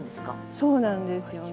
そうなんですよね。